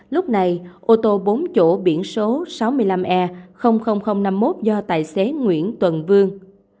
lúc này ô tô bốn chỗ biển số sáu mươi năm e năm mươi một do tài xế nguyễn tuần vương